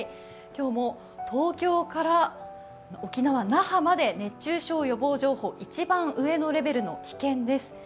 今日も東京から沖縄・那覇まで熱中症予防情報、一番上レベルの「危険」です。